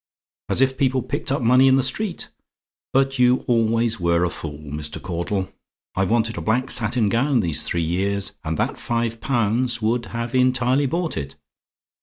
As if people picked up money in the street! But you always were a fool, Mr. Caudle! I've wanted a black satin gown these three years, and that five pounds would have entirely bought it.